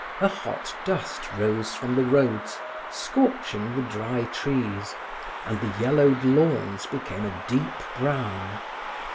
A hot dust rose from the roads, scorching the dry trees, and the yellowed lawns became a deep brown.